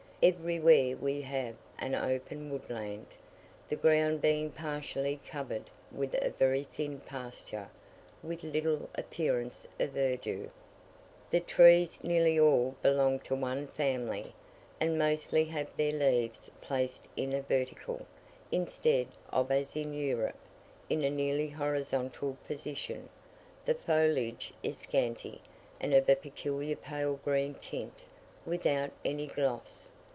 Everywhere we have an open woodland, the ground being partially covered with a very thin pasture, with little appearance of verdure. The trees nearly all belong to one family, and mostly have their leaves placed in a vertical, instead of as in Europe, in a nearly horizontal position: the foliage is scanty, and of a peculiar pale green tint, without any gloss.